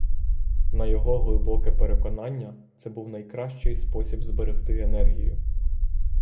На його глибоке переконання, це був найкращий спосіб зберегти енергію.